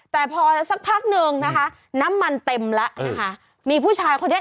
แต่พอแล้วสักพักหนึ่งนะคะน้ำมันเต็มแล้วนะคะมีผู้ชายคนนี้